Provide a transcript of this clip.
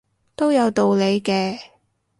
都有道理嘅